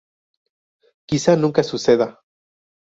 Quizá nunca suceda.